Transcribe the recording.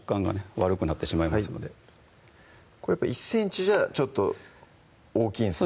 悪くなってしまいますので１ｃｍじゃちょっと大きいんですね